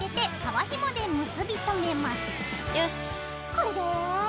これで。